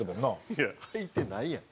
いやはいてないやん。